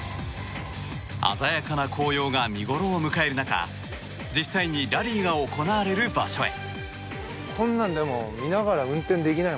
鮮やかな紅葉が見ごろを迎える中実際にラリーが行われる場所へ。